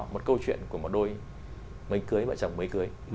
một câu chuyện của một đôi mấy cưới vợ chồng mới cưới